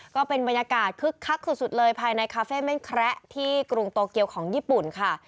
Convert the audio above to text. ก็เป็นบรรยากาศคึกคักสุดเลยภายในคาเฟ่เม่นแคระที่กรุงโตเกียวของญี่ปุ่นค่ะ